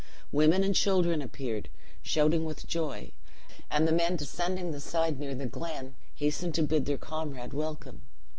Women and children appeared, shouting with joy; and the men, descending the side near the glen, hastened to bid their comrade welcome.